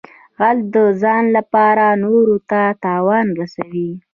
غل د ځان لپاره نورو ته تاوان رسوي